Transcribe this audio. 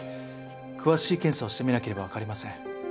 詳しい検査をしてみなければわかりません。